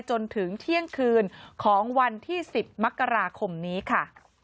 จนถึงเที่ยงคืนของวันที่๑๐มกราคมนี้ค่ะ